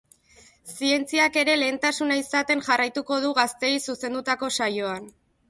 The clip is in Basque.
Zientziak ere lehentasuna izaten jarraituko du gazteei zuzendutako saioan.